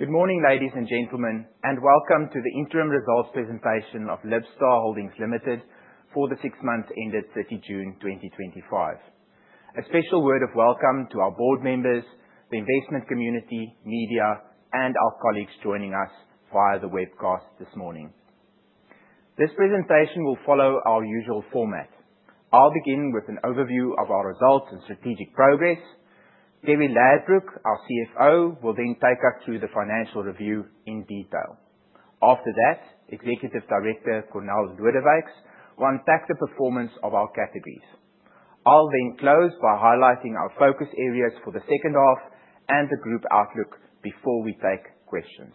Good morning, ladies and gentlemen, and welcome to the interim results presentation of Libstar Holdings Limited for the six months ended 30 June 2025. A special word of welcome to our board members, the investment community, media, and our colleagues joining us via the webcast this morning. This presentation will follow our usual format. I'll begin with an overview of our results and strategic progress. Terri Ladbrooke, our CFO, will then take us through the financial review in detail. After that, Executive Director Cornél Lodewyks will unpack the performance of our categories. I'll then close by highlighting our focus areas for the second half and the group outlook before we take questions.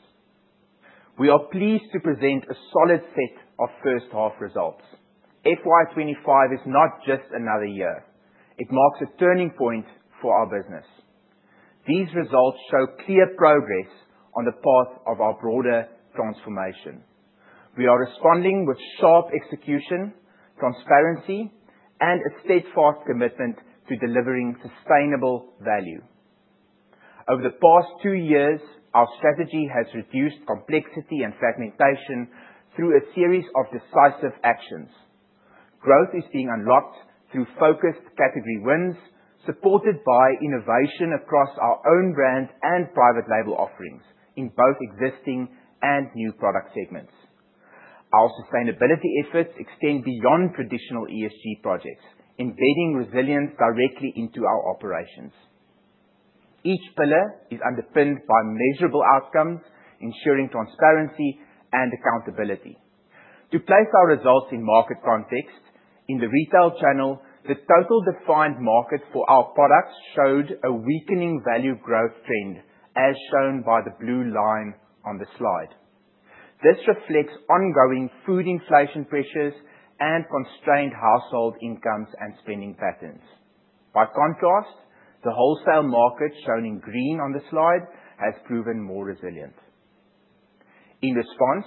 We are pleased to present a solid set of first half results. FY 2025 is not just another year. It marks a turning point for our business. These results show clear progress on the path of our broader transformation. We are responding with sharp execution, transparency, and a steadfast commitment to delivering sustainable value. Over the past two years, our strategy has reduced complexity and fragmentation through a series of decisive actions. Growth is being unlocked through focused category wins, supported by innovation across our own brand and private label offerings in both existing and new product segments. Our sustainability efforts extend beyond traditional ESG projects, embedding resilience directly into our operations. Each pillar is underpinned by measurable outcomes, ensuring transparency and accountability. To place our results in market context, in the retail channel, the total defined market for our products showed a weakening value growth trend, as shown by the blue line on the slide. This reflects ongoing food inflation pressures and constrained household incomes and spending patterns. By contrast, the wholesale market, shown in green on the slide, has proven more resilient. In response,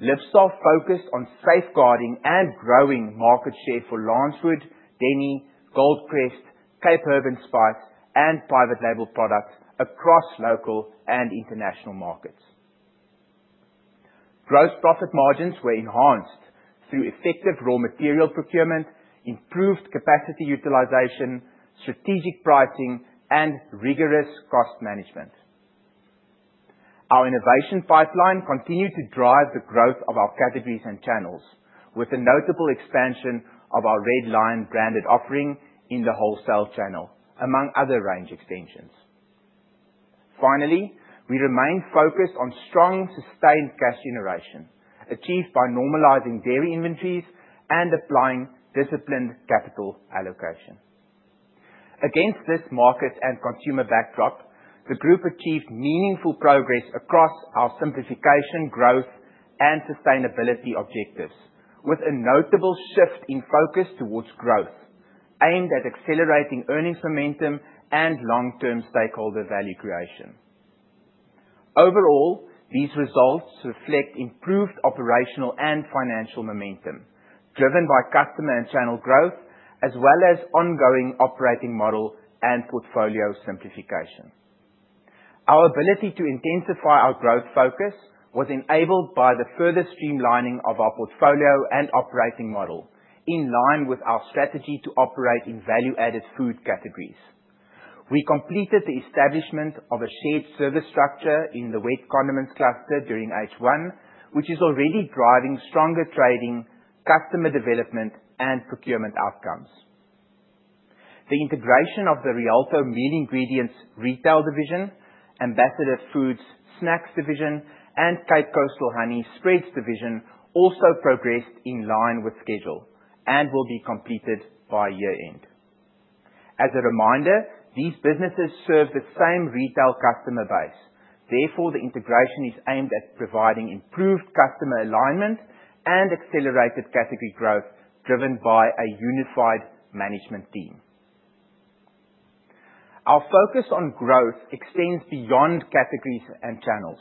Libstar focused on safeguarding and growing market share for Lancewood, Denny, Goldcrest, Cape Herb & Spice, and private label products across local and international markets. Gross profit margins were enhanced through effective raw material procurement, improved capacity utilization, strategic pricing, and rigorous cost management. Our innovation pipeline continued to drive the growth of our categories and channels with a notable expansion of our Red Lion branded offering in the wholesale channel, among other range extensions. Finally, we remain focused on strong, sustained cash generation, achieved by normalizing dairy inventories and applying disciplined capital allocation. Against this market and consumer backdrop, the group achieved meaningful progress across our simplification, growth, and sustainability objectives with a notable shift in focus towards growth aimed at accelerating earnings momentum and long-term stakeholder value creation. Overall, these results reflect improved operational and financial momentum driven by customer and channel growth, as well as ongoing operating model and portfolio simplification. Our ability to intensify our growth focus was enabled by the further streamlining of our portfolio and operating model in line with our strategy to operate in value-added food categories. We completed the establishment of a shared service structure in the wet condiments cluster during H1, which is already driving stronger trading, customer development, and procurement outcomes. The integration of the Rialto Meat Ingredients retail division, Ambassador Foods snacks division, and Cape Coastal Honey spreads division also progressed in line with schedule and will be completed by year-end. As a reminder, these businesses serve the same retail customer base. Therefore, the integration is aimed at providing improved customer alignment and accelerated category growth driven by a unified management team. Our focus on growth extends beyond categories and channels.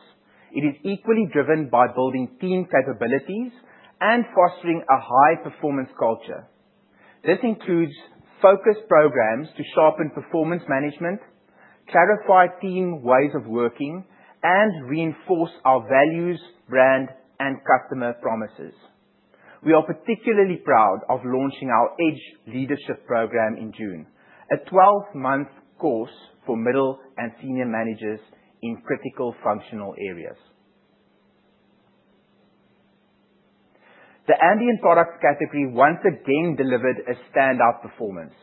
It is equally driven by building team capabilities and fostering a high-performance culture. This includes focus programs to sharpen performance management, clarify team ways of working, and reinforce our values, brand, and customer promises. We are particularly proud of launching our EDGE leadership program in June, a 12-month course for middle and senior managers in critical functional areas. The ambient products category once again delivered a standout performance.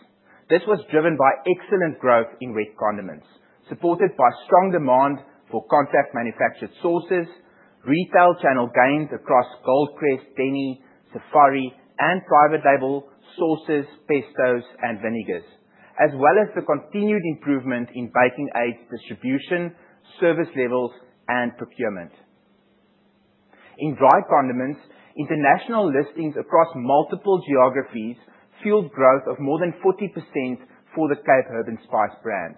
This was driven by excellent growth in wet condiments, supported by strong demand for contract manufactured sauces, retail channel gains across Goldcrest, Denny, Safari, and private label sauces, pestos, and vinegars, as well as the continued improvement in baking aid distribution, service levels, and procurement. In dry condiments, international listings across multiple geographies fueled growth of more than 40% for the Cape Herb & Spice brand.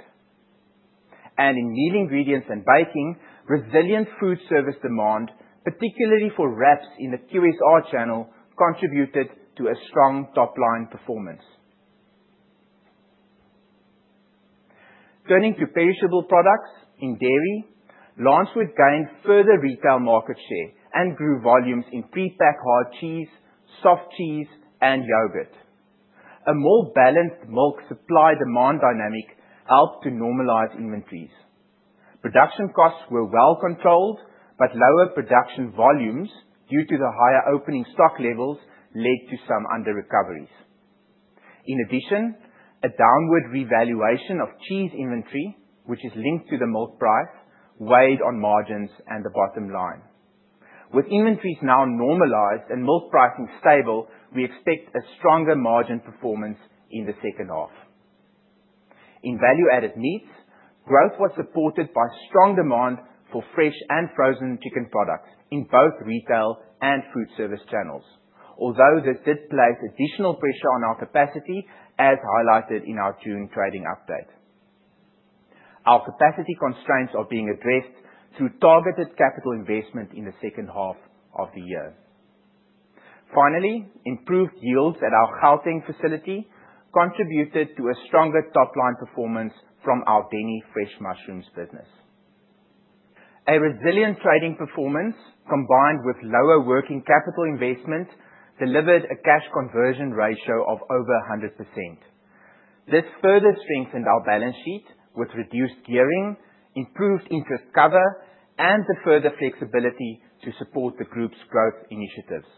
In meat ingredients and baking, resilient food service demand, particularly for wraps in the QSR channel, contributed to a strong top-line performance. Turning to perishable products in dairy, Lancewood gained further retail market share and grew volumes in prepack hard cheese, soft cheese, and yogurt. A more balanced milk supply-demand dynamic helped to normalize inventories. Production costs were well controlled, but lower production volumes due to the higher opening stock levels led to some underrecoveries. In addition, a downward revaluation of cheese inventory, which is linked to the milk price, weighed on margins and the bottom line. With inventories now normalized and milk pricing stable, we expect a stronger margin performance in the second half. In value-added meats, growth was supported by strong demand for fresh and frozen chicken products in both retail and food service channels. Although this did place additional pressure on our capacity, as highlighted in our June trading update. Our capacity constraints are being addressed through targeted capital investment in the second half of the year. Finally, improved yields at our Gauteng facility contributed to a stronger top-line performance from our Denny Fresh Mushrooms business. A resilient trading performance combined with lower working capital investment delivered a cash conversion ratio of over 100%. This further strengthened our balance sheet with reduced gearing, improved interest cover, and the further flexibility to support the group's growth initiatives.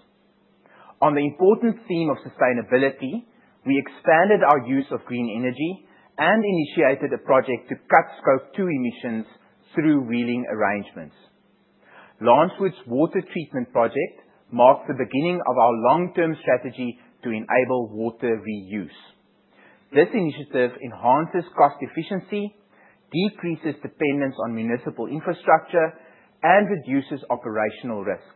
On the important theme of sustainability, we expanded our use of green energy and initiated a project to cut Scope 2 emissions through wheeling arrangements. Lancewood's water treatment project marks the beginning of our long-term strategy to enable water reuse. This initiative enhances cost efficiency, decreases dependence on municipal infrastructure, and reduces operational risk.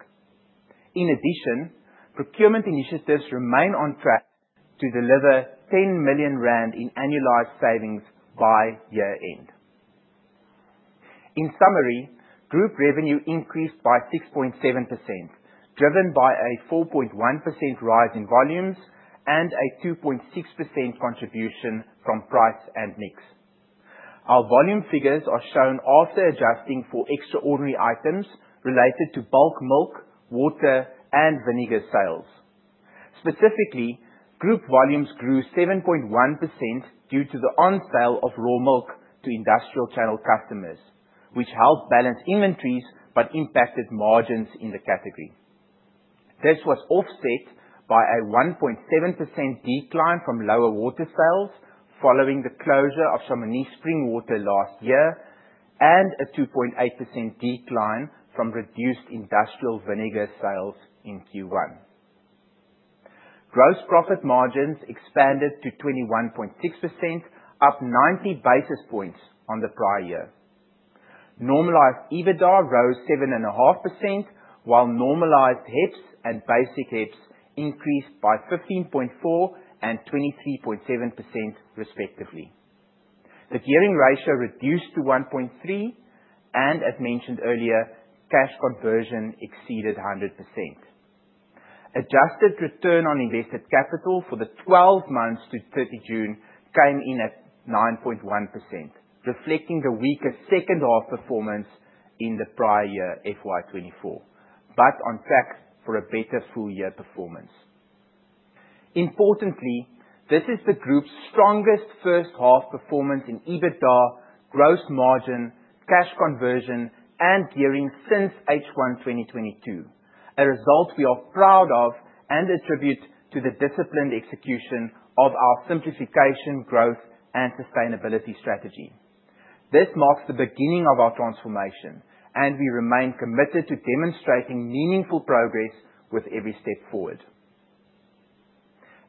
In addition, procurement initiatives remain on track to deliver 10 million rand in annualized savings by year end. In summary, group revenue increased by 6.7%, driven by a 4.1% rise in volumes and a 2.6% contribution from price and mix. Our volume figures are shown after adjusting for extraordinary items related to bulk milk, water, and vinegar sales. Specifically, group volumes grew 7.1% due to the on sale of raw milk to industrial channel customers, which helped balance inventories but impacted margins in the category. This was offset by a 1.7% decline from lower water sales following the closure of Chamonix Spring Water last year, and a 2.8% decline from reduced industrial vinegar sales in Q1. Gross profit margins expanded to 21.6%, up 90 basis points on the prior year. Normalized EBITDA rose 7.5%, while normalized HEPS and basic HEPS increased by 15.4% and 23.7% respectively. The gearing ratio reduced to 1.3%. As mentioned earlier, cash conversion exceeded 100%. Adjusted return on invested capital for the 12 months to 30 June came in at 9.1%, reflecting the weaker second half performance in the prior year, FY 2024, but on track for a better full year performance. Importantly, this is the group's strongest first half performance in EBITDA, gross margin, cash conversion, and gearing since H1 2022, a result we are proud of and attribute to the disciplined execution of our simplification, growth, and sustainability strategy. This marks the beginning of our transformation. We remain committed to demonstrating meaningful progress with every step forward.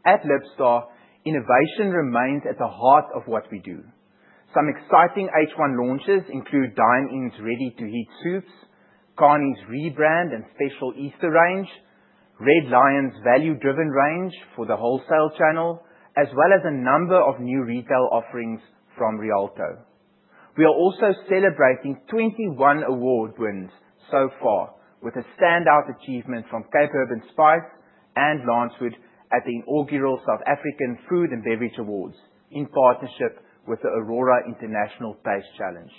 At Libstar, innovation remains at the heart of what we do. Some exciting H1 launches include Dine-In's ready-to-heat soups, Cani's rebrand and special Easter range, Red Lion's value-driven range for the wholesale channel, as well as a number of new retail offerings from Rialto. We are also celebrating 21 award wins so far, with a standout achievement from Cape Herb & Spice and Lancewood at the inaugural South African Food and Beverage Awards in partnership with the Aurora International Taste Challenge.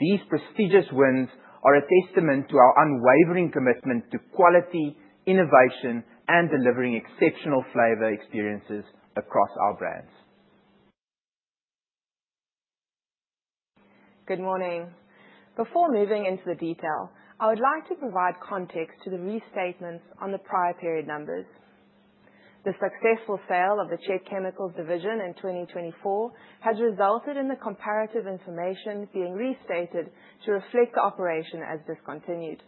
These prestigious wins are a testament to our unwavering commitment to quality, innovation, and delivering exceptional flavor experiences across our brands. Good morning. Before moving into the detail, I would like to provide context to the restatements on the prior period numbers. The successful sale of the Chet Chemicals division in 2024 has resulted in the comparative information being restated to reflect the operation as discontinued.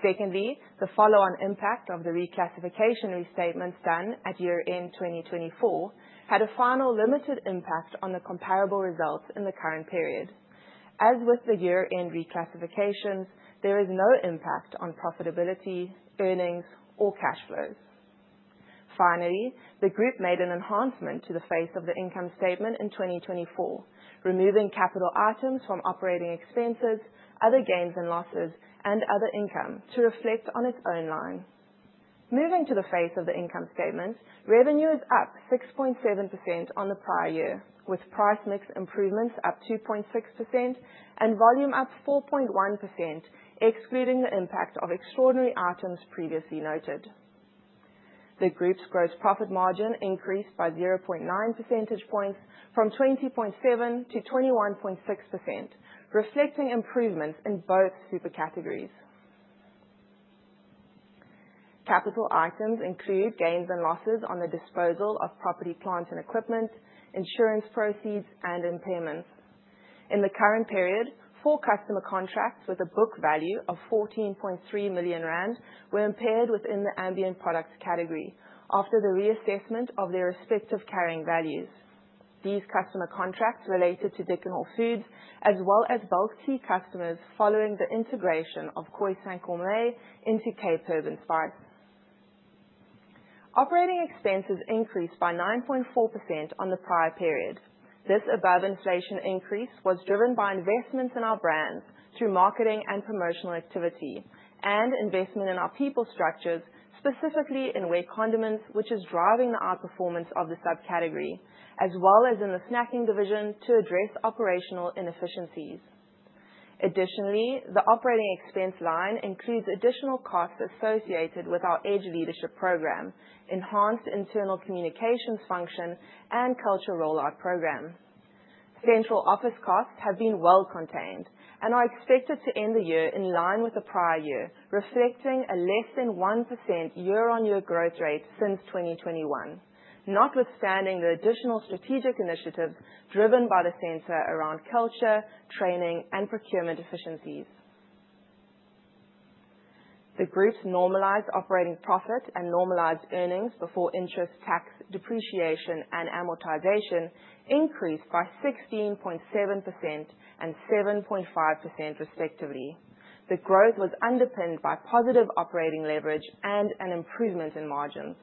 Secondly, the follow-on impact of the reclassification restatements done at year end 2024 had a final limited impact on the comparable results in the current period. As with the year-end reclassifications, there is no impact on profitability, earnings, or cash flows. Finally, the group made an enhancement to the face of the income statement in 2024, removing capital items from operating expenses, other gains and losses, and other income to reflect on its own line. Moving to the face of the income statement, revenue is up 6.7% on the prior year, with price mix improvements up 2.6% and volume up 4.1%, excluding the impact of extraordinary items previously noted. The group's gross profit margin increased by 0.9 percentage points from 20.7%-21.6%, reflecting improvements in both super categories. Capital items include gains and losses on the disposal of property, plant, and equipment, insurance proceeds, and impairments. In the current period, four customer contracts with a book value of 14.3 million rand were impaired within the ambient products category after the reassessment of their respective carrying values. These customer contracts related to Dickon Hall Foods, as well as bulk tea customers, following the integration of Khoisan Gourmet into Cape Herb & Spice. Operating expenses increased by 9.4% on the prior period. This above-inflation increase was driven by investments in our brands through marketing and promotional activity and investment in our people structures, specifically in wet condiments, which is driving the outperformance of the subcategory, as well as in the snacking division to address operational inefficiencies. Additionally, the operating expense line includes additional costs associated with our EDGE leadership program, enhanced internal communications function, and culture rollout program. Central office costs have been well contained and are expected to end the year in line with the prior year, reflecting a less than 1% year-on-year growth rate since 2021, notwithstanding the additional strategic initiatives driven by the center around culture, training, and procurement efficiencies. The group's normalized operating profit and normalized earnings before interest, tax, depreciation, and amortization increased by 16.7% and 7.5% respectively. The growth was underpinned by positive operating leverage and an improvement in margins.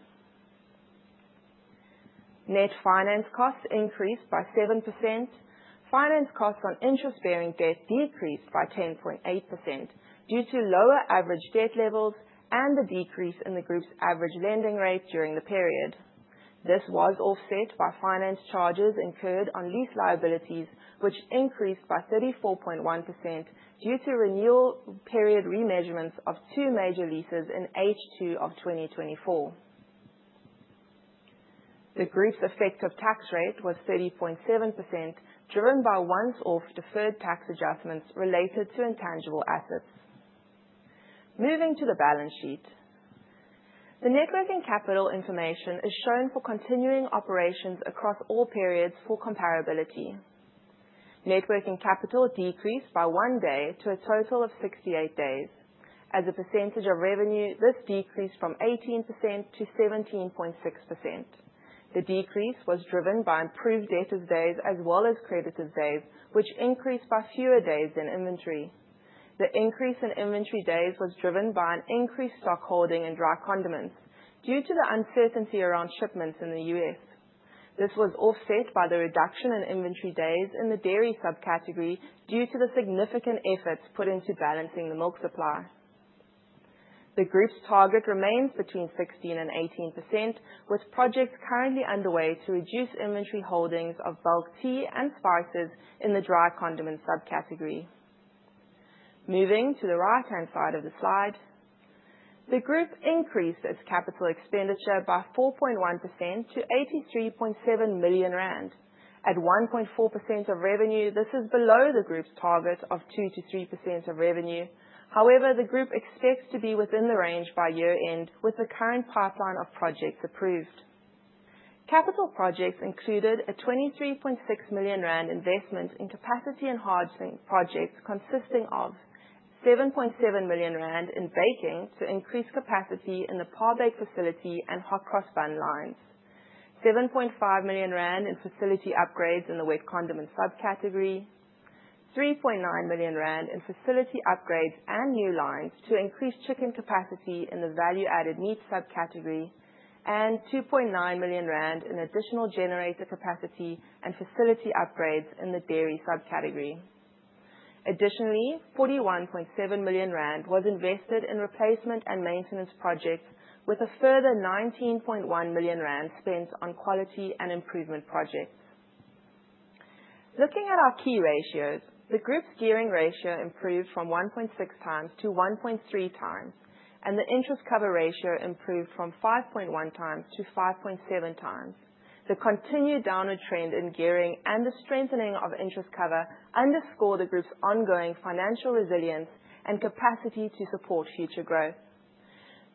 Net finance costs increased by 7%. Finance costs on interest-bearing debt decreased by 10.8% due to lower average debt levels and the decrease in the group's average lending rate during the period. This was offset by finance charges incurred on lease liabilities, which increased by 34.1% due to renewal period remeasurements of two major leases in H2 of 2024. The group's effective tax rate was 30.7%, driven by once-off deferred tax adjustments related to intangible assets. Moving to the balance sheet. The net working capital information is shown for continuing operations across all periods for comparability. Net working capital decreased by one day to a total of 68 days. As a percentage of revenue, this decreased from 18% to 17.6%. The decrease was driven by improved days as well as creditor days, which increased by fewer days in inventory. The increase in inventory days was driven by an increased stock holding in dry condiments due to the uncertainty around shipments in the U.S. This was offset by the reduction in inventory days in the dairy subcategory due to the significant efforts put into balancing the milk supply. The group's target remains between 16% and 18%, with projects currently underway to reduce inventory holdings of bulk tea and spices in the dry condiment subcategory. Moving to the right-hand side of the slide. The group increased its capital expenditure by 4.1% to 83.7 million rand. At 1.4% of revenue, this is below the group's target of 2%-3% of revenue. However, the group expects to be within the range by year-end with the current pipeline of projects approved. Capital projects included a 23.6 million rand investment in capacity enhancement projects, consisting of 7.7 million rand in baking to increase capacity in the par-baked facility and hot cross bun lines. 7.5 million rand in facility upgrades in the wet condiment subcategory. 3.9 million rand in facility upgrades and new lines to increase chicken capacity in the value-added meat subcategory, and 2.9 million rand in additional generator capacity and facility upgrades in the dairy subcategory. Additionally, 41.7 million rand was invested in replacement and maintenance projects with a further 19.1 million rand spent on quality and improvement projects. Looking at our key ratios, the group's gearing ratio improved from 1.6 times to 1.3 times, and the interest cover ratio improved from 5.1 times to 5.7 times. The continued downward trend in gearing and the strengthening of interest cover underscore the group's ongoing financial resilience and capacity to support future growth.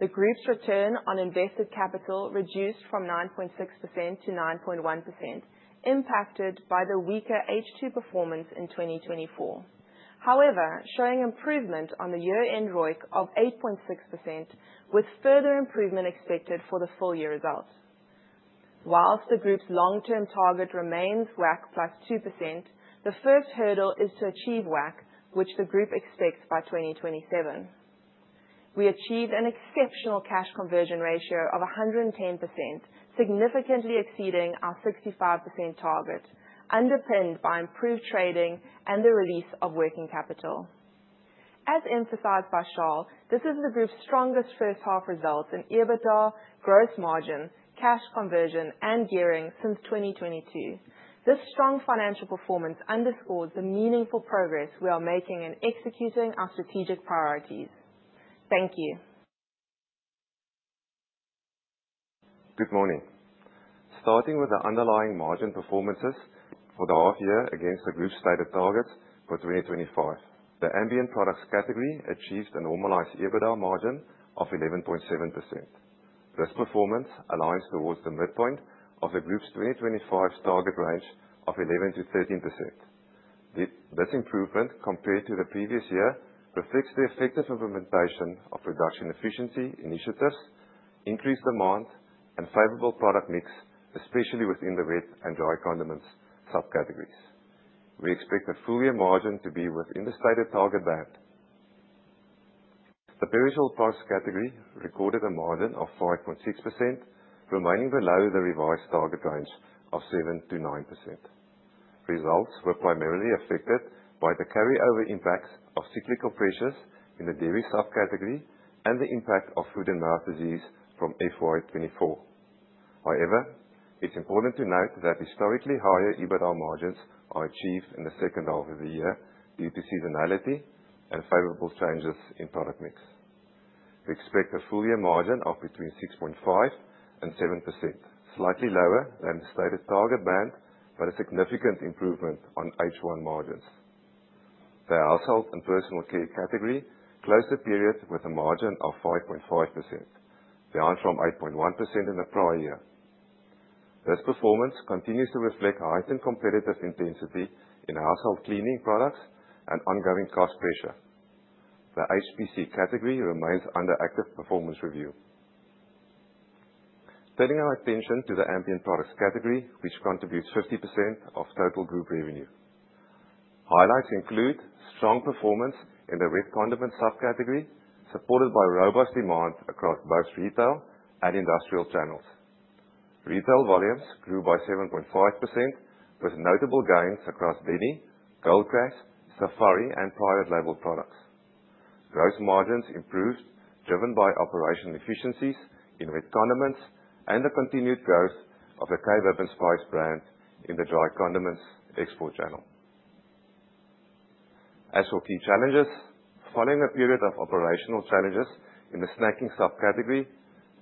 The group's return on invested capital reduced from 9.6%-9.1%, impacted by the weaker H2 performance in 2024. However, showing improvement on the year-end ROIC of 8.6%, with further improvement expected for the full-year results. Whilst the group's long-term target remains WACC +2%, the first hurdle is to achieve WACC, which the group expects by 2027. We achieved an exceptional cash conversion ratio of 110%, significantly exceeding our 65% target, underpinned by improved trading and the release of working capital. As emphasized by Charl, this is the group's strongest first half results in EBITDA, gross margin, cash conversion, and gearing since 2022. This strong financial performance underscores the meaningful progress we are making in executing our strategic priorities. Thank you. Good morning. Starting with the underlying margin performances for the half year against the group's stated targets for 2025. The ambient products category achieved a normalized EBITDA margin of 11.7%. This performance aligns towards the midpoint of the group's 2025 target range of 11%-13%. This improvement compared to the previous year, reflects the effective implementation of production efficiency initiatives, increased demand, and favorable product mix, especially within the wet and dry condiments subcategories. We expect the full year margin to be within the stated target band. The Perishable Products category recorded a margin of 5.6%, remaining below the revised target range of 7%-9%. Results were primarily affected by the carryover impacts of cyclical pressures in the dairy subcategory and the impact of food and mouth disease from FY 2024. It's important to note that historically higher EBITDA margins are achieved in the second half of the year due to seasonality and favorable changes in product mix. We expect a full year margin of between 6.5% and 7%, slightly lower than the stated target band, but a significant improvement on H1 margins. The Household and Personal Care category closed the period with a margin of 5.5%, down from 8.1% in the prior year. This performance continues to reflect heightened competitive intensity in household cleaning products and ongoing cost pressure. The HPC category remains under active performance review. Turning our attention to the Ambient Products category, which contributes 50% of total group revenue. Highlights include strong performance in the wet condiment subcategory, supported by robust demand across both retail and industrial channels. Retail volumes grew by 7.5%, with notable gains across Denny, Goldcrest, Safari, and private label products. Gross margins improved, driven by operational efficiencies in wet condiments, and the continued growth of the Cape Herb & Spice brand in the dry condiments export channel. For key challenges, following a period of operational challenges in the snacking subcategory,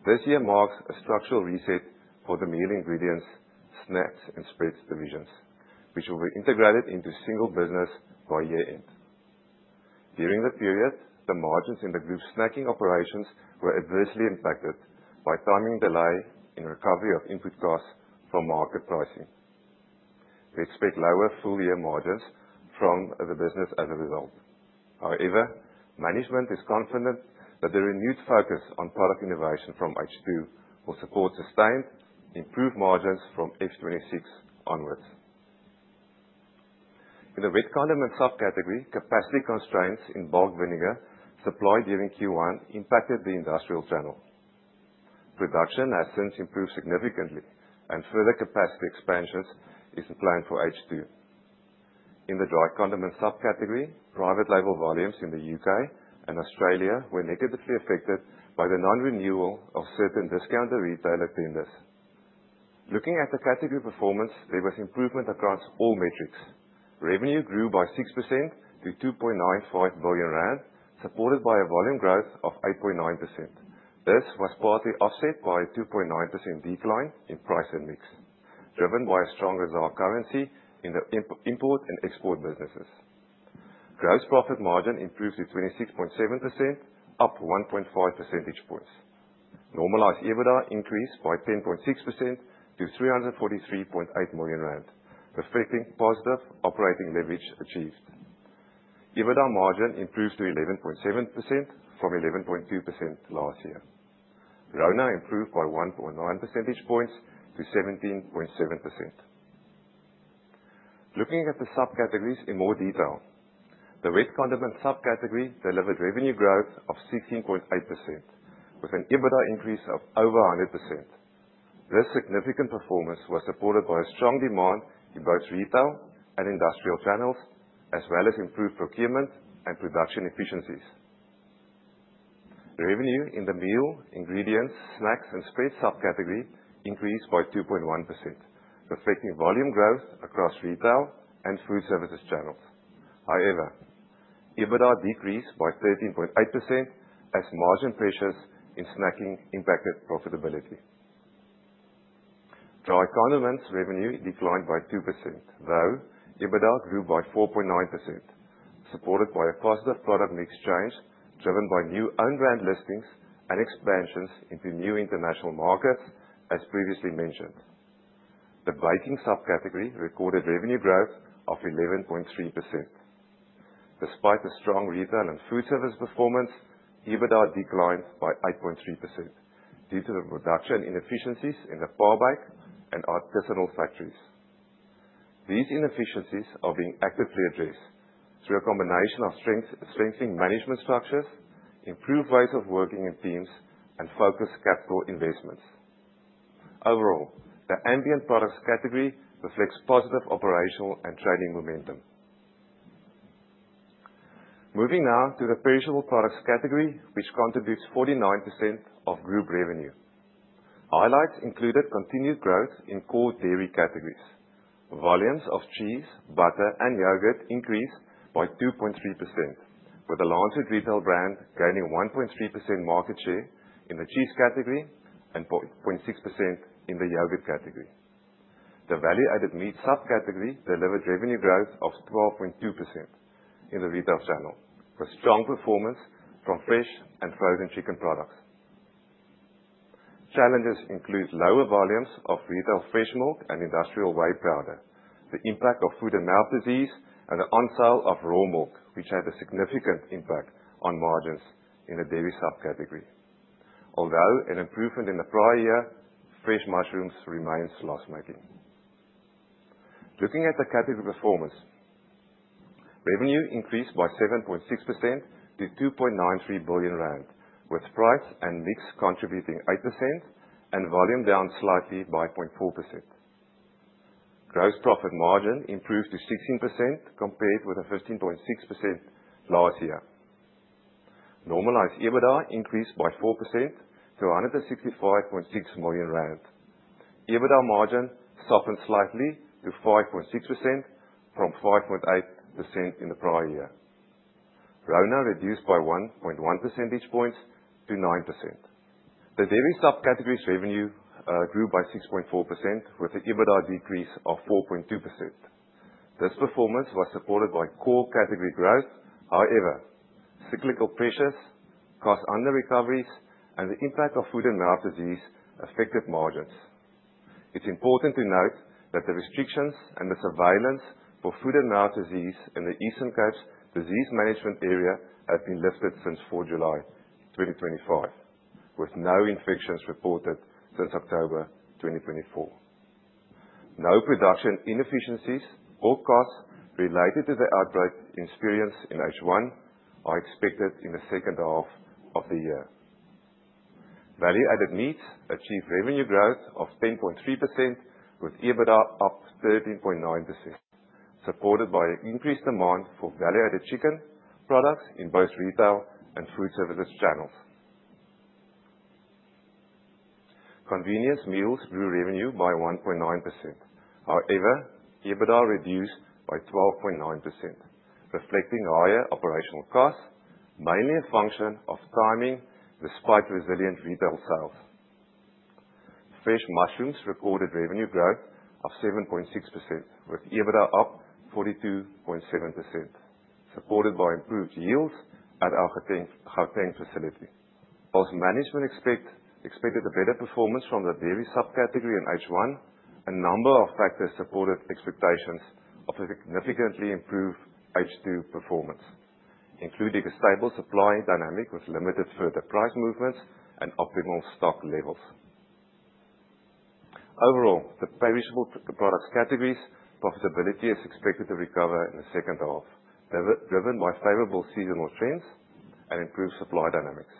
this year marks a structural reset for the meal ingredients, snacks, and spreads divisions, which will be integrated into single business by year-end. During the period, the margins in the group's snacking operations were adversely impacted by timing delay in recovery of input costs from market pricing. We expect lower full year margins from the business as a result. Management is confident that the renewed focus on product innovation from H2 will support sustained, improved margins from H2 onwards. In the wet condiment subcategory, capacity constraints in bulk vinegar supply during Q1 impacted the industrial channel. Production has since improved significantly, and further capacity expansions is planned for H2. In the dry condiment subcategory, private label volumes in the U.K. and Australia were negatively affected by the non-renewal of certain discounter retailer tenders. Looking at the category performance, there was improvement across all metrics. Revenue grew by 6% to 2.95 billion rand, supported by a volume growth of 8.9%. This was partly offset by a 2.9% decline in price and mix, driven by a stronger ZAR currency in the import and export businesses. Gross profit margin improved to 26.7%, up 1.5 percentage points. Normalized EBITDA increased by 10.6% to 343.8 million rand, reflecting positive operating leverage achieved. EBITDA margin improved to 11.7% from 11.2% last year. RONA improved by 1.9 percentage points to 17.7%. Looking at the subcategories in more detail, the wet condiment subcategory delivered revenue growth of 16.8%, with an EBITDA increase of over 100%. This significant performance was supported by a strong demand in both retail and industrial channels, as well as improved procurement and production efficiencies. Revenue in the meal, ingredients, snacks, and spreads subcategory increased by 2.1%, reflecting volume growth across retail and food services channels. However, EBITDA decreased by 13.8% as margin pressures in snacking impacted profitability. Dry condiments revenue declined by 2%, though EBITDA grew by 4.9%, supported by a positive product mix change driven by new own brand listings and expansions into new international markets, as previously mentioned. The baking subcategory recorded revenue growth of 11.3%. Despite the strong retail and food service performance, EBITDA declined by 8.3% due to the production inefficiencies in the Paarl bake and artisanal factories. These inefficiencies are being actively addressed through a combination of strengthening management structures, improved ways of working in teams, and focused capital investments. Overall, the ambient products category reflects positive operational and trading momentum. Moving now to the perishable products category, which contributes 49% of group revenue. Highlights included continued growth in core dairy categories. Volumes of cheese, butter and yogurt increased by 2.3%, with the Lancewood retail brand gaining 1.3% market share in the cheese category and 4.6% in the yogurt category. The value-added meat subcategory delivered revenue growth of 12.2% in the retail channel, with strong performance from fresh and frozen chicken products. Challenges include lower volumes of retail fresh milk and industrial whey powder, the impact of foot-and-mouth disease, and the on-sale of raw milk, which had a significant impact on margins in the dairy subcategory. Although an improvement in the prior year, fresh mushrooms remains loss-making. Looking at the category performance, revenue increased by 7.6% to 2.93 billion rand, with price and mix contributing 8% and volume down slightly by 0.4%. Gross profit margin improved to 16% compared with the 15.6% last year. Normalized EBITDA increased by 4% to 165.6 million rand. EBITDA margin softened slightly to 5.6% from 5.8% in the prior year. RONA reduced by 1.1 percentage points to 9%. The dairy subcategory's revenue grew by 6.4%, with an EBITDA decrease of 4.2%. This performance was supported by core category growth. However, cyclical pressures caused underrecoveries and the impact of foot-and-mouth disease affected margins. It's important to note that the restrictions and the surveillance for foot-and-mouth disease in the Eastern Cape's disease management area have been lifted since 4 July 2025, with no infections reported since October 2024. No production inefficiencies or costs related to the outbreak experienced in H1 are expected in the second half of the year. Value-added meats achieved revenue growth of 10.3%, with EBITDA up 13.9%, supported by increased demand for value-added chicken products in both retail and food services channels. Convenience meals grew revenue by 1.9%. However, EBITDA reduced by 12.9%, reflecting higher operational costs, mainly a function of timing, despite resilient retail sales. Fresh mushrooms recorded revenue growth of 7.6%, with EBITDA up 42.7%, supported by improved yields at our Gauteng facility. Whilst management expected a better performance from the dairy subcategory in H1, a number of factors supported expectations of a significantly improved H2 performance, including a stable supply dynamic with limited further price movements and optimal stock levels. Overall, the perishable products category's profitability is expected to recover in the second half, driven by favorable seasonal trends and improved supply dynamics.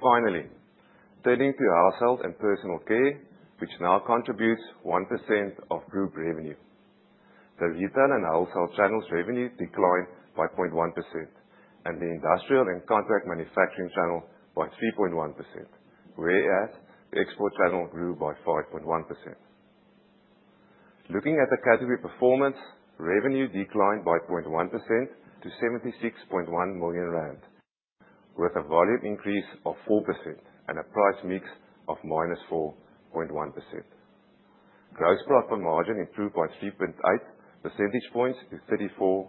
Turning to household and personal care, which now contributes 1% of group revenue. The retail and wholesale channels revenue declined by 0.1%, and the industrial and contract manufacturing channel by 3.1%, whereas the export channel grew by 5.1%. Looking at the category performance, revenue declined by 0.1% to 76.1 million rand, with a volume increase of 4% and a price mix of -4.1%. Gross profit margin improved by 3.8 percentage points to 34.4%.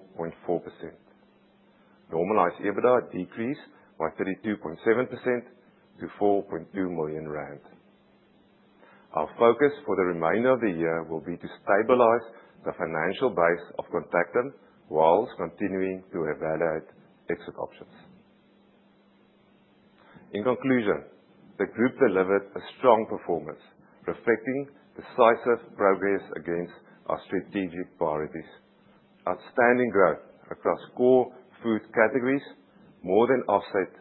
Normalized EBITDA decreased by 32.7% to 4.2 million rand. Our focus for the remainder of the year will be to stabilize the financial base of Contactim whilst continuing to evaluate exit options. The group delivered a strong performance reflecting decisive progress against our strategic priorities. Outstanding growth across core food categories more than offset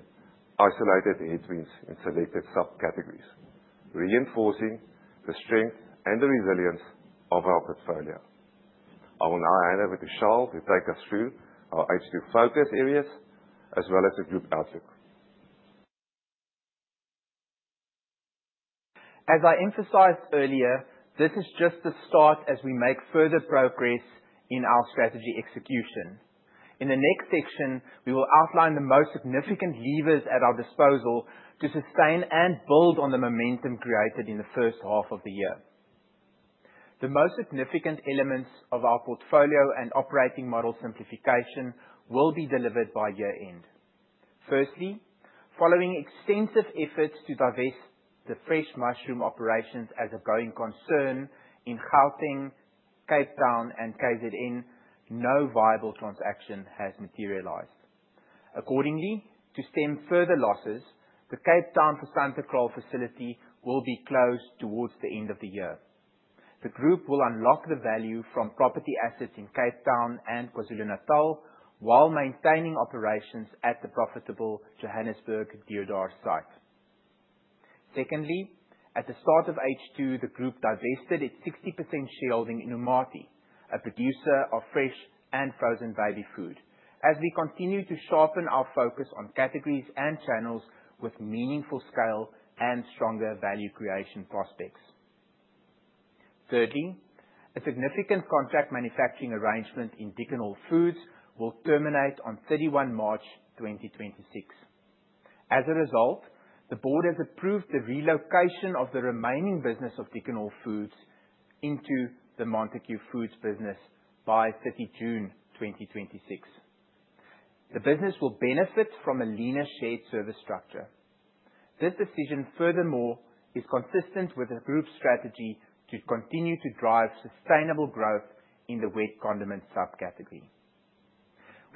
isolated headwinds in selected subcategories, reinforcing the strength and the resilience of our portfolio. I will now hand over to Charl to take us through our H2 focus areas as well as the group outlook. As I emphasized earlier, this is just the start as we make further progress in our strategy execution. In the next section, we will outline the most significant levers at our disposal to sustain and build on the momentum created in the first half of the year. The most significant elements of our portfolio and operating model simplification will be delivered by year end. Following extensive efforts to divest the fresh mushroom operations as a going concern in Gauteng, Cape Town and KZN, no viable transaction has materialized. To stem further losses, the Cape Town Fisantekraal facility will be closed towards the end of the year. The group will unlock the value from property assets in Cape Town and KwaZulu-Natal while maintaining operations at the profitable Johannesburg Deodar site. Secondly, at the start of H2, the group divested its 60% shareholding in Umatie, a producer of fresh and frozen baby food, as we continue to sharpen our focus on categories and channels with meaningful scale and stronger value creation prospects. Thirdly, a significant contract manufacturing arrangement in Dickon Hall Foods will terminate on 31st March 2026. As a result, the board has approved the relocation of the remaining business of Dickon Hall Foods into the Montagu Foods business by 30 June 2026. The business will benefit from a leaner shared service structure. This decision, furthermore, is consistent with the group's strategy to continue to drive sustainable growth in the wet condiment subcategory.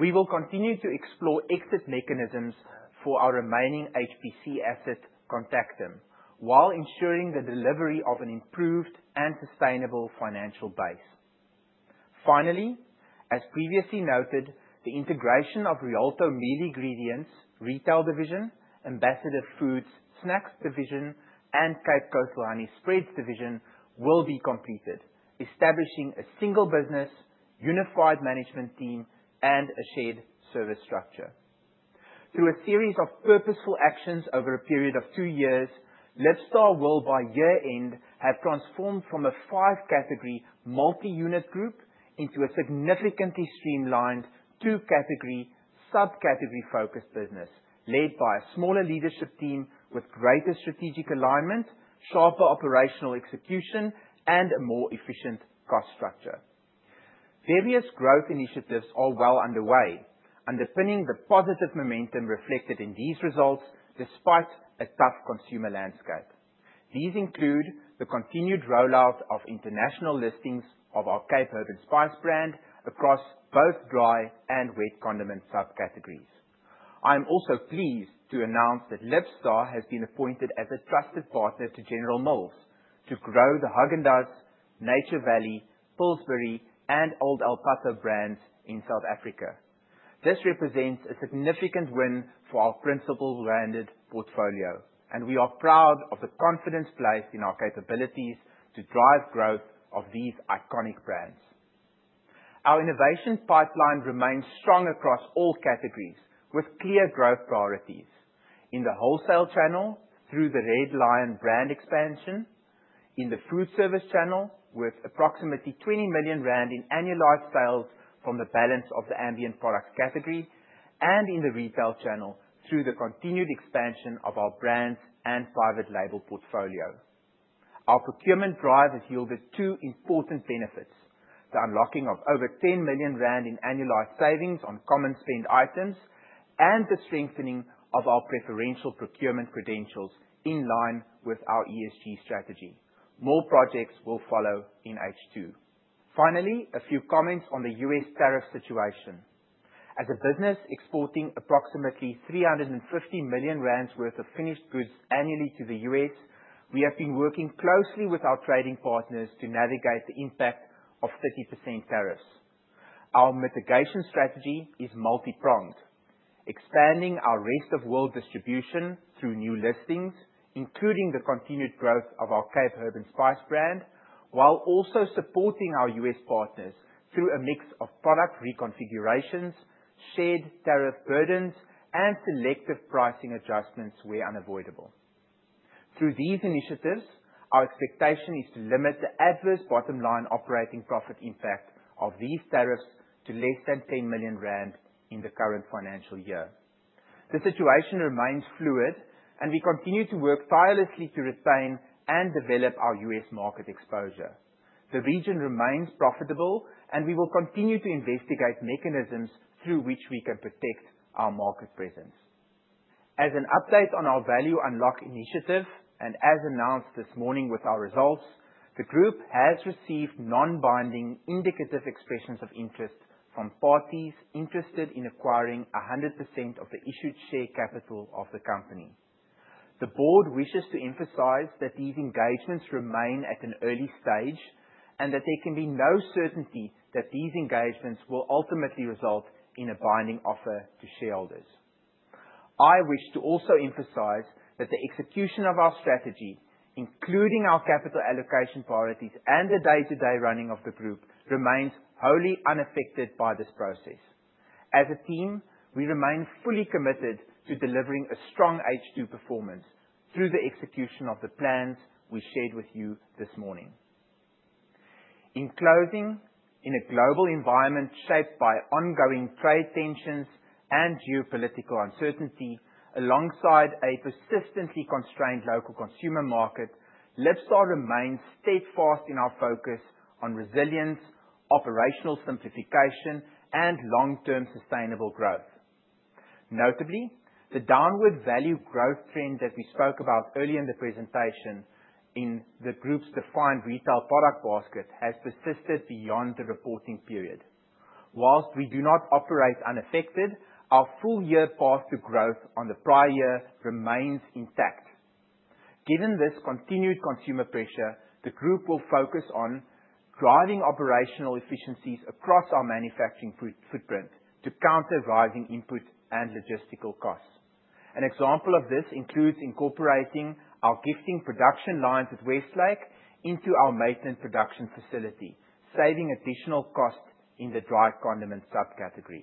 We will continue to explore exit mechanisms for our remaining HPC asset, Contactim, while ensuring the delivery of an improved and sustainable financial base. Finally, as previously noted, the integration of Rialto Meal Ingredients retail division, Ambassador Foods snacks division, and Cape Coastal Honey Spreads division will be completed, establishing a single business, unified management team, and a shared service structure. Through a series of purposeful actions over a period of two years, Libstar will, by year-end, have transformed from a five-category multi-unit group into a significantly streamlined two-category, subcategory-focused business, led by a smaller leadership team with greater strategic alignment, sharper operational execution, and a more efficient cost structure. Various growth initiatives are well underway, underpinning the positive momentum reflected in these results despite a tough consumer landscape. These include the continued rollout of international listings of our Cape Herb & Spice brand across both dry and wet condiment subcategories. I'm also pleased to announce that Libstar has been appointed as a trusted partner to General Mills to grow the Häagen-Dazs, Nature Valley, Pillsbury, and Old El Paso brands in South Africa. This represents a significant win for our principal branded portfolio, and we are proud of the confidence placed in our capabilities to drive growth of these iconic brands. Our innovations pipeline remains strong across all categories, with clear growth priorities. In the wholesale channel, through the Red Lion brand expansion, in the food service channel, with approximately 20 million rand in annualized sales from the balance of the ambient products category, and in the retail channel, through the continued expansion of our brands and private label portfolio. Our procurement drive has yielded two important benefits, the unlocking of over 10 million rand in annualized savings on common spend items, and the strengthening of our preferential procurement credentials in line with our ESG strategy. More projects will follow in H2. Finally, a few comments on the U.S. tariff situation. As a business exporting approximately 350 million rand worth of finished goods annually to the U.S., we have been working closely with our trading partners to navigate the impact of 30% tariffs. Our mitigation strategy is multi-pronged, expanding our rest of world distribution through new listings, including the continued growth of our Cape Herb & Spice brand, while also supporting our U.S. partners through a mix of product reconfigurations, shared tariff burdens, and selective pricing adjustments where unavoidable. Through these initiatives, our expectation is to limit the adverse bottom-line operating profit impact of these tariffs to less than 10 million rand in the current financial year. The situation remains fluid, and we continue to work tirelessly to retain and develop our U.S. market exposure. The region remains profitable, and we will continue to investigate mechanisms through which we can protect our market presence. As an update on our value unlock initiative, and as announced this morning with our results, the group has received non-binding indicative expressions of interest from parties interested in acquiring 100% of the issued share capital of the company. The board wishes to emphasize that these engagements remain at an early stage, and that there can be no certainty that these engagements will ultimately result in a binding offer to shareholders. I wish to also emphasize that the execution of our strategy, including our capital allocation priorities and the day-to-day running of the group, remains wholly unaffected by this process. As a team, we remain fully committed to delivering a strong H2 performance through the execution of the plans we shared with you this morning. In closing, in a global environment shaped by ongoing trade tensions and geopolitical uncertainty alongside a persistently constrained local consumer market, Libstar remains steadfast in our focus on resilience, operational simplification, and long-term sustainable growth. Notably, the downward value growth trend that we spoke about earlier in the presentation in the group's defined retail product basket has persisted beyond the reporting period. Whilst we do not operate unaffected, our full year path to growth on the prior year remains intact. Given this continued consumer pressure, the group will focus on driving operational efficiencies across our manufacturing footprint to counter rising input and logistical costs. An example of this includes incorporating our gifting production lines at Westlake into our Maitland production facility, saving additional costs in the dried condiment subcategory.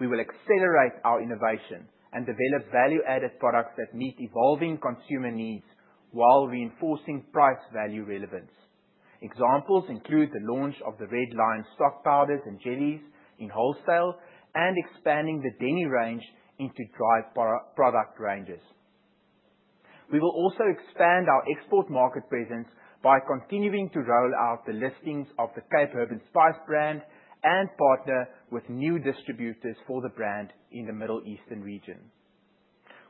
We will accelerate our innovation and develop value-added products that meet evolving consumer needs while reinforcing price-value relevance. Examples include the launch of the Red Lion stock powders and jellies in wholesale, and expanding the Denny range into dry product ranges. We will also expand our export market presence by continuing to roll out the listings of the Cape Herb & Spice brand and partner with new distributors for the brand in the Middle Eastern region.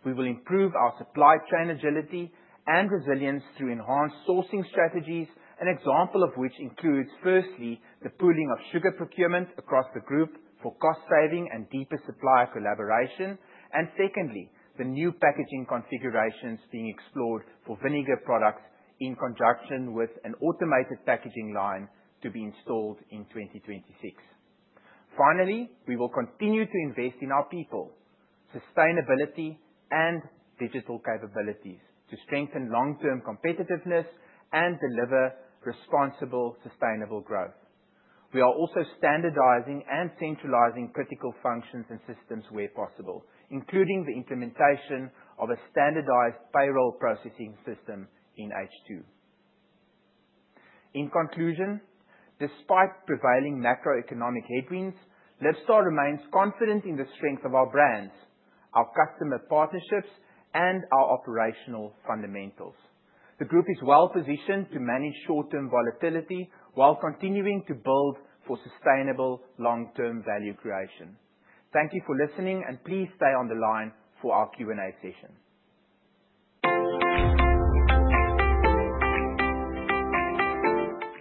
We will improve our supply chain agility and resilience through enhanced sourcing strategies, an example of which includes, firstly, the pooling of sugar procurement across the group for cost saving and deeper supplier collaboration. Secondly, the new packaging configurations being explored for vinegar products in conjunction with an automated packaging line to be installed in 2026. Finally, we will continue to invest in our people, sustainability, and digital capabilities to strengthen long-term competitiveness and deliver responsible, sustainable growth. We are also standardizing and centralizing critical functions and systems where possible, including the implementation of a standardized payroll processing system in H2. In conclusion, despite prevailing macroeconomic headwinds, Libstar remains confident in the strength of our brands, our customer partnerships, and our operational fundamentals. The group is well-positioned to manage short-term volatility while continuing to build for sustainable long-term value creation. Thank you for listening, and please stay on the line for our Q&A session.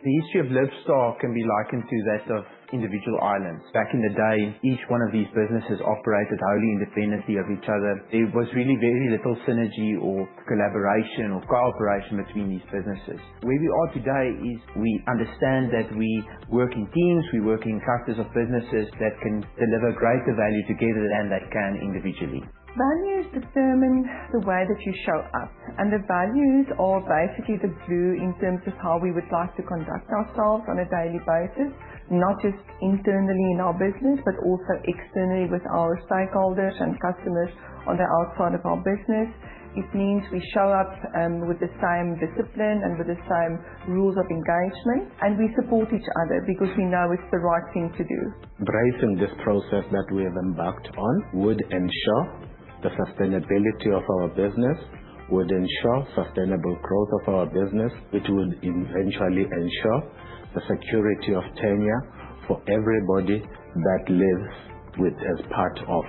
The history of Libstar can be likened to that of individual islands. Back in the day, each one of these businesses operated wholly independently of each other. There was really very little synergy or collaboration or cooperation between these businesses. Where we are today is we understand that we work in teams, we work in clusters of businesses that can deliver greater value together than they can individually. Values determine the way that you show up, the values are basically the glue in terms of how we would like to conduct ourselves on a daily basis, not just internally in our business, but also externally with our stakeholders and customers on the outside of our business. It means we show up with the same discipline and with the same rules of engagement, and we support each other because we know it's the right thing to do. Embracing this process that we have embarked on would ensure the sustainability of our business, would ensure sustainable growth of our business. It would eventually ensure the security of tenure for everybody that lives with as part of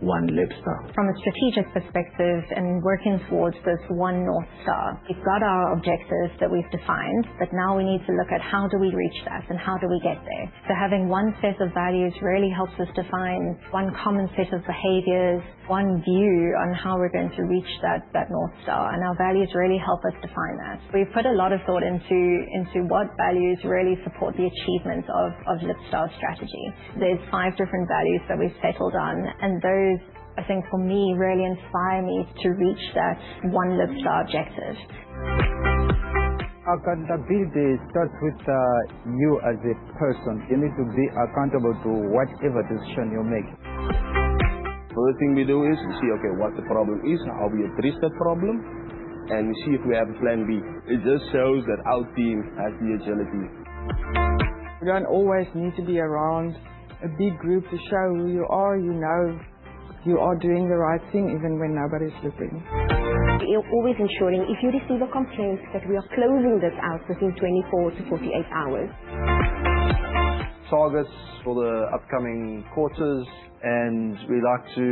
one Libstar. From a strategic perspective and working towards this one North Star, we've got our objectives that we've defined, now we need to look at how do we reach that and how do we get there. Having one set of values really helps us define one common set of behaviors, one view on how we're going to reach that North Star, our values really help us define that. We've put a lot of thought into what values really support the achievement of Libstar's strategy. There's five different values that we've settled on, those, I think, for me, really inspire me to reach that one Libstar objective. Accountability starts with you as a person. You need to be accountable to whatever decision you're making. First thing we do is we say, "Okay, what the problem is, how we address the problem, and we see if we have a plan B." It just shows that our team has the agility. You don't always need to be around a big group to show who you are. You know you are doing the right thing even when nobody's looking. We are always ensuring if you receive a complaint that we are closing this out within 24-48 hours. Targets for the upcoming quarters, we like to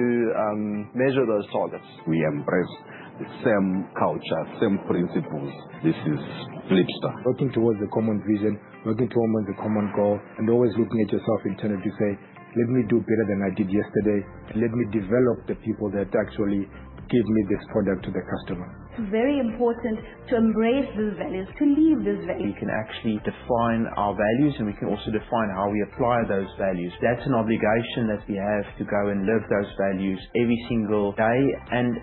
measure those targets. We embrace the same culture, same principles. This is Libstar. Working towards a common vision, working towards a common goal, always looking at yourself internally to say, "Let me do better than I did yesterday. Let me develop the people that actually give me this product to the customer. It's very important to embrace these values, to live these values. We can actually define our values, and we can also define how we apply those values. That's an obligation that we have to go and live those values every single day.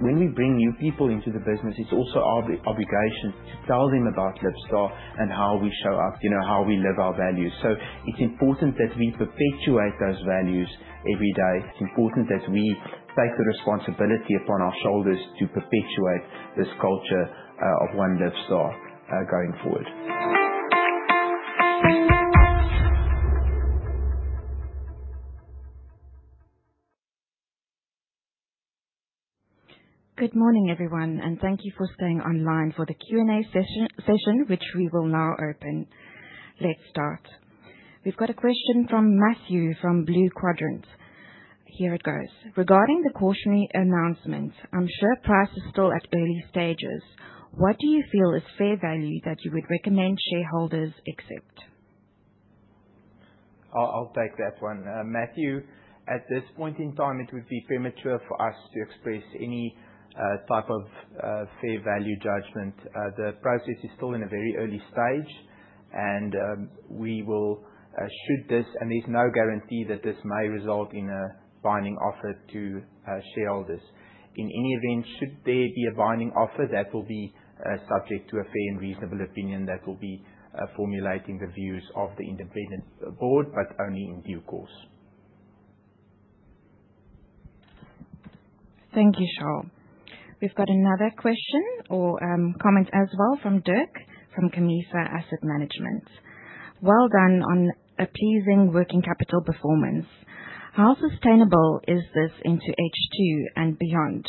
When we bring new people into the business, it's also our obligation to tell them about Libstar and how we show up, how we live our values. So it's important that we perpetuate those values every day. It's important that we take the responsibility upon our shoulders to perpetuate this culture of one Libstar going forward. Good morning, everyone, and thank you for staying online for the Q&A session, which we will now open. Let's start. We've got a question from Matthew from Blue Quadrant. Here it goes. Regarding the cautionary announcement, I'm sure price is still at early stages. What do you feel is fair value that you would recommend shareholders accept? I'll take that one. Matthew, at this point in time, it would be premature for us to express any type of fair value judgment. The process is still in a very early stage, and we will shoot this, and there's no guarantee that this may result in a binding offer to shareholders. In any event, should there be a binding offer, that will be subject to a fair and reasonable opinion that will be formulating the views of the independent board, but only in due course. Thank you, Charl. We've got another question or comment as well from Dirk from Camissa Asset Management. Well done on a pleasing working capital performance. How sustainable is this into H2 and beyond?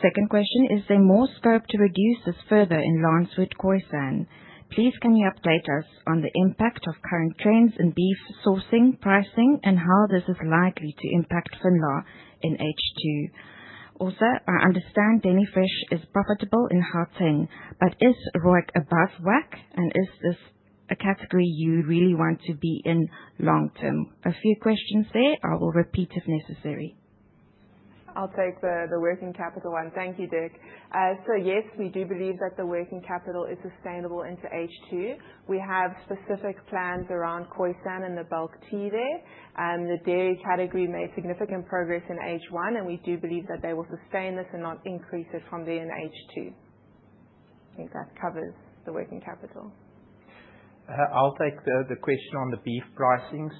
Second question, is there more scope to reduce this further in Lancewood, Khoisan? Please can you update us on the impact of current trends in beef sourcing, pricing, and how this is likely to impact Finlar in H2. Also, I understand Denny Fresh is profitable in Gauteng, but is ROIC above WACC, and is this a category you really want to be in long term? A few questions there. I will repeat if necessary. I'll take the working capital one. Thank you, Dirk. Yes, we do believe that the working capital is sustainable into H2. We have specific plans around Khoisan and the bulk tea there. The dairy category made significant progress in H1, and we do believe that they will sustain this and not increase it from there in H2. I think that covers the working capital. I'll take the question on the beef pricing.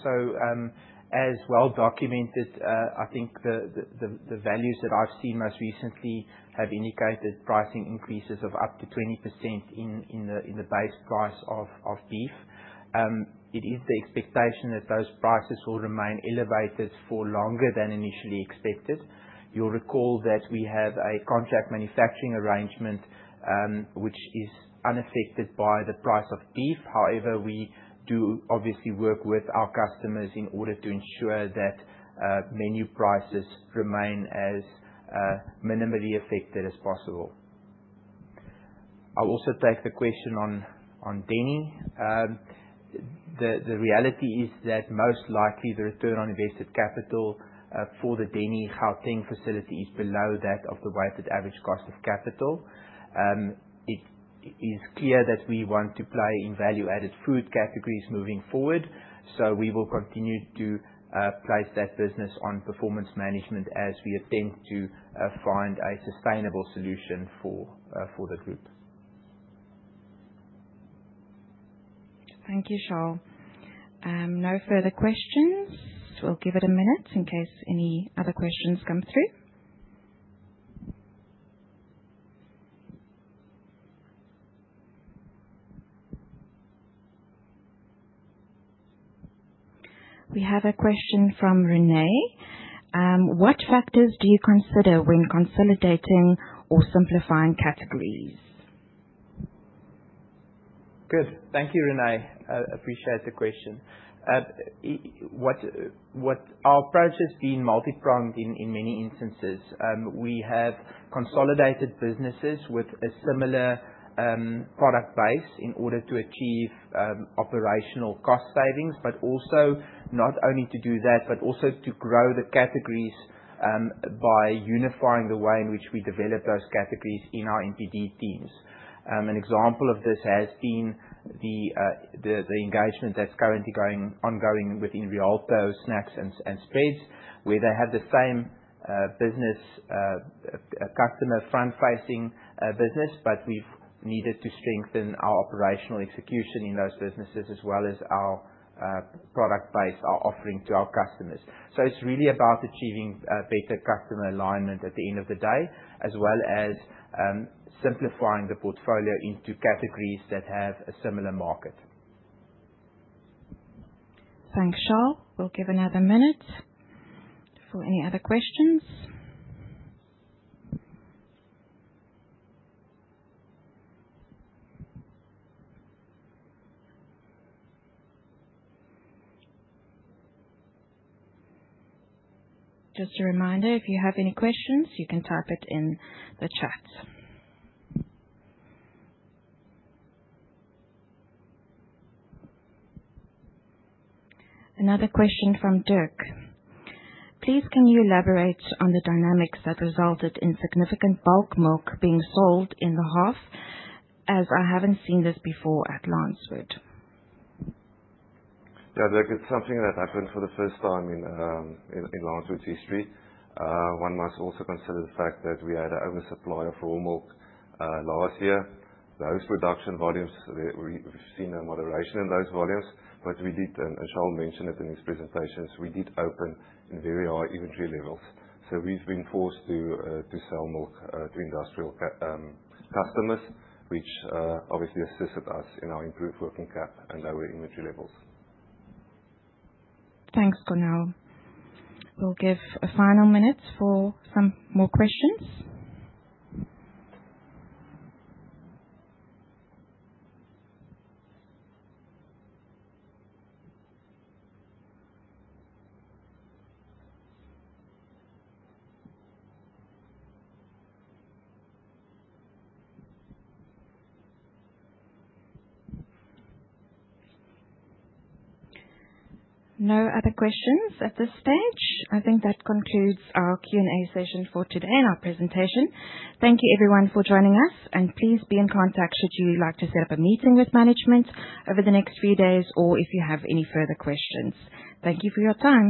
As well documented, I think the values that I've seen most recently have indicated pricing increases of up to 20% in the base price of beef. It is the expectation that those prices will remain elevated for longer than initially expected. You'll recall that we have a contract manufacturing arrangement which is unaffected by the price of beef. However, we do obviously work with our customers in order to ensure that menu prices remain as minimally affected as possible. I'll also take the question on Denny. The reality is that most likely the return on invested capital for the Denny Gauteng facility is below that of the weighted average cost of capital. It is clear that we want to play in value-added food categories moving forward, so we will continue to place that business on performance management as we attempt to find a sustainable solution for the group. Thank you, Charl. No further questions. We'll give it a minute in case any other questions come through. We have a question from Renee. What factors do you consider when consolidating or simplifying categories? Good. Thank you, Renee. I appreciate the question. Our approach has been multi-pronged in many instances. We have consolidated businesses with a similar product base in order to achieve operational cost savings, not only to do that, but also to grow the categories, by unifying the way in which we develop those categories in our NPD teams. An example of this has been the engagement that's currently ongoing within Rialto snacks and spreads, where they have the same customer front-facing business, but we've needed to strengthen our operational execution in those businesses as well as our product base, our offering to our customers. It's really about achieving better customer alignment at the end of the day, as well as simplifying the portfolio into categories that have a similar market. Thanks, Charl. We'll give another minute for any other questions. Just a reminder, if you have any questions, you can type it in the chat. Another question from Dirk. Please can you elaborate on the dynamics that resulted in significant bulk milk being sold in the half, as I haven't seen this before at Lancewood. Yeah, Dirk, it's something that happened for the first time in Lancewood's history. One must also consider the fact that we had an oversupply of raw milk last year. Those production volumes, we've seen a moderation in those volumes, but we did, as Charl mentioned in his presentations, we did open in very high inventory levels. We've been forced to sell milk to industrial customers, which obviously assisted us in our improved working cap and lower inventory levels. Thanks for now. We'll give a final minute for some more questions. No other questions at this stage. I think that concludes our Q&A session for today and our presentation. Thank you, everyone, for joining us, and please be in contact should you like to set up a meeting with management over the next few days or if you have any further questions. Thank you for your time.